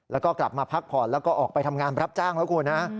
แล้วก็กลับมาพักผ่อนแล้วก็ออกไปทำงานรับจ้างแล้วคุณฮะ